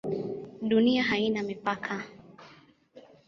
Dunia haina mipaka?